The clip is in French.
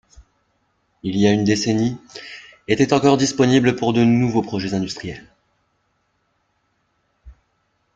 Il y a une décennie, étaient encore disponibles pour de nouveaux projets industriels.